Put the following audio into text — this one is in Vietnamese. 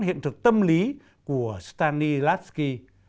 hiện thực tâm lý của stanislavski